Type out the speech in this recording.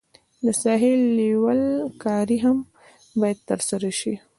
د ساحې لیول کاري هم باید ترسره شي